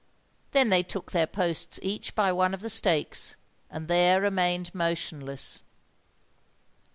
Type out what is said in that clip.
They then took their posts each by one of the stakes, and there remained motionless.